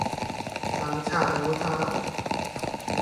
ต่างชาติต่างภาษา